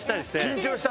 緊張した？